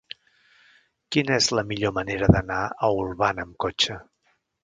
Quina és la millor manera d'anar a Olvan amb cotxe?